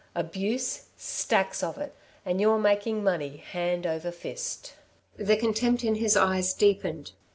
Abuse? Stacks of it! And you're making money, hand over fist." The contempt in his eyes deepened.